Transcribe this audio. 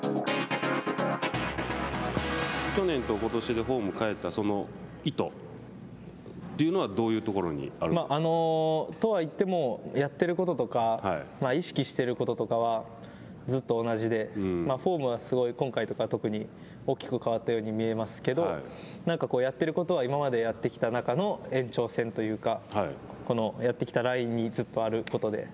去年とことしでフォームを変えたその意図というのはとはいっても、やってることとか意識してることとかはずっと同じでフォームはすごい今回とは特に大きく変わったように見えますけどやってることは今までやってきた中の延長線というかやってきたラインにずっとあることで。